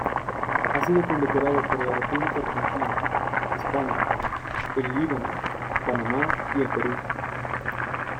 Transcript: Ha sido condecorado por la República Argentina, España, el Líbano, Panamá y el Perú.